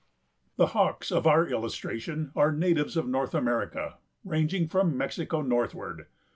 The Hawks of our illustration are natives of North America ranging from Mexico northward.